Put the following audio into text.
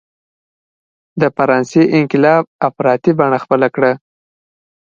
د فرانسې انقلاب افراطي بڼه خپله کړه.